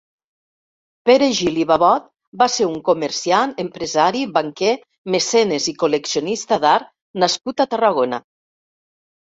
Pere Gil i Babot va ser un comerciant, empresari, banquer, mecenes i col·leccionista d'art nascut a Tarragona.